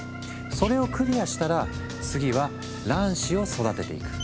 それをクリアしたら次は卵子を育てていく。